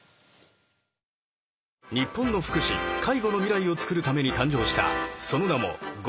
「日本の福祉・介護の未来をつくるために誕生したその名も『ＧＯ！ＧＯ！